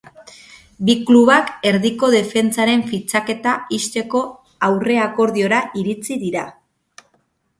Bi klubak erdiko defentsaren fitxaketa ixteko aurre-akordiora iritsi dira.